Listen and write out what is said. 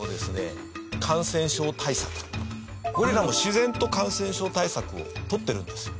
ゴリラも自然と感染症対策を取ってるんですよ。